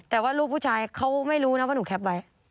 แต่ว่ารูปผู้ชายเขาไม่รู้นะว่าหนูแคปไว้